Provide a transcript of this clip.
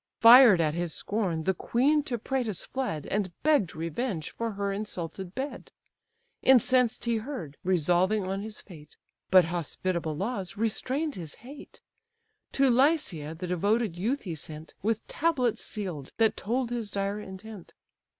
Fired at his scorn the queen to Praetus fled, And begg'd revenge for her insulted bed: Incensed he heard, resolving on his fate; But hospitable laws restrain'd his hate: To Lycia the devoted youth he sent, With tablets seal'd, that told his dire intent.